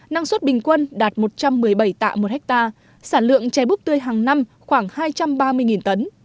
năng suất bình quân đạt một trăm một mươi bảy tạ một ha sản lượng chè búp tươi hàng năm khoảng hai trăm ba mươi tấn